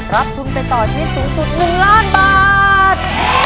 รับทุนไปต่อชีวิตสูงสุด๑ล้านบาท